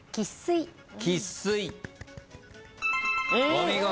お見事。